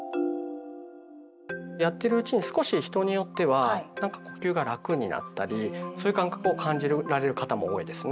やってるうちに少し人によってはなんか呼吸が楽になったりそういう感覚を感じられる方も多いですね。